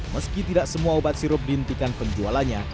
meski tidak semua obat sirup dihentikan penjualannya